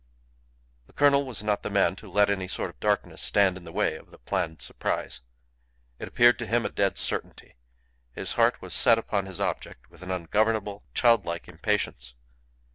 The colonel was not the man to let any sort of darkness stand in the way of the planned surprise. It appeared to him a dead certainty; his heart was set upon his object with an ungovernable, childlike impatience.